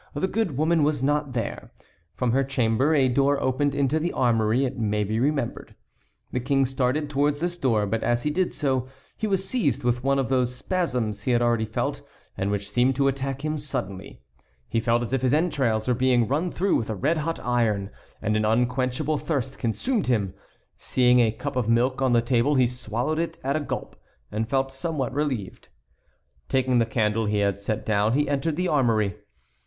The good woman was not there. From her chamber a door opened into the armory, it may be remembered. The King started towards this door, but as he did so he was seized with one of those spasms he had already felt, and which seemed to attack him suddenly. He felt as if his entrails were being run through with a red hot iron, and an unquenchable thirst consumed him. Seeing a cup of milk on the table, he swallowed it at a gulp, and felt somewhat relieved. Taking the candle he had set down, he entered the armory.